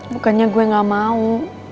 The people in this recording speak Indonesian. bukannya gue gak mau